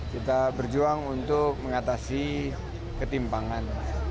kita berjuang untuk mengatasi ketimpangan